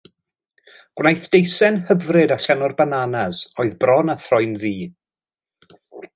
Gwnaeth deisen hyfryd allan o'r bananas oedd bron â throi'n ddu.